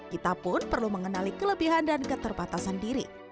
kita pun perlu mengenali kelebihan dan keterbatasan diri